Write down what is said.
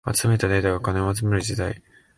集めたデータが金を集める時代